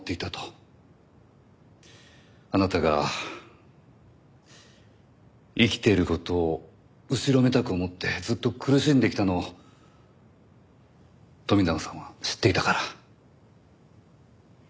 あなたが生きている事を後ろめたく思ってずっと苦しんできたのを富永さんは知っていたから。